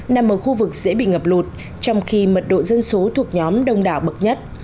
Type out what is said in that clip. nằm ở khu vực dễ bị ngập lụt trong khi mật độ dân số thuộc nhóm đông đảo bậc nhất